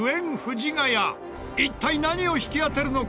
一体何を引き当てるのか？